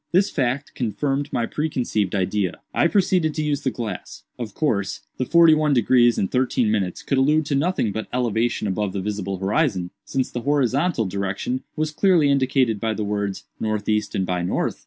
This fact confirmed my preconceived idea. I proceeded to use the glass. Of course, the 'forty one degrees and thirteen minutes' could allude to nothing but elevation above the visible horizon, since the horizontal direction was clearly indicated by the words, 'northeast and by north.